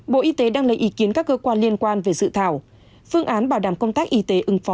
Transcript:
bộ y tế đang lấy ý kiến các cơ quan liên quan về dự thảo phương án bảo đảm công tác y tế ứng phó